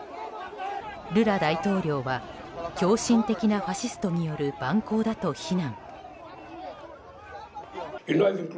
ルラ大統領は狂信的なファシストによる蛮行だと非難。